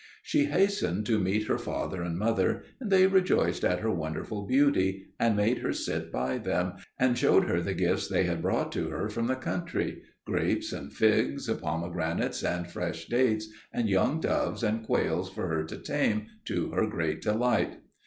She hastened to meet her father and mother, and they rejoiced at her wonderful beauty, and made her sit by them, and showed her the gifts they had brought to her from the country grapes and figs, pomegranates and fresh dates, and young doves and quails for her to tame, to her great delight.